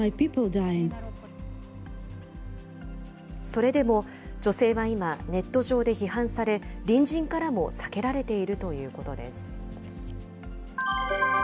それでも女性は今、ネット上で批判され、隣人からも避けられているということです。